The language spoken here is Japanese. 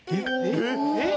えっ？